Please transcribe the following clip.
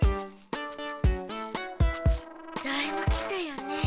だいぶ来たよね。